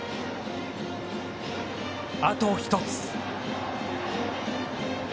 あと１つ。